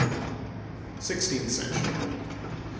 I. SIXTEENTH CENTURY.